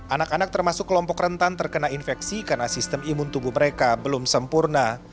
anak anak termasuk kelompok rentan terkena infeksi karena sistem imun tubuh mereka belum sempurna